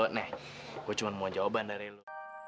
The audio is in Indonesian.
nih gue cuma mau jawaban dari lu